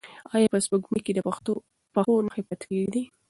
ایا په سپوږمۍ کې د پښو نښې پاتې کیږي؟